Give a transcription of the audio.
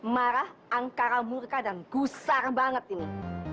marah antara murka dan gusar banget ini